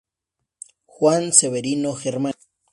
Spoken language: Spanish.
Juan Severino Germán.